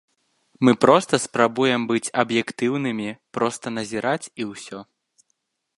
Мы проста спрабуем быць аб'ектыўнымі, проста назіраць і ўсё.